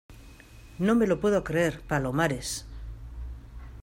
no me lo puedo creer, Palomares.